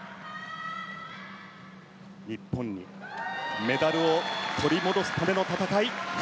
日本にメダルを取り戻すための戦い。